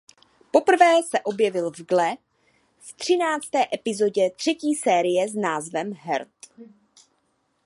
Poprvé se objevil v "Glee" v třinácté epizodě třetí série s názvem Heart.